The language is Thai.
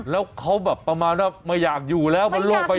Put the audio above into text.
แล้วเขาแบบประมาณว่าไม่อยากอยู่แล้วบนโลกไป